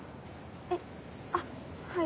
えっあっはい。